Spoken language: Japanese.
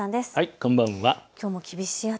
こんばんは。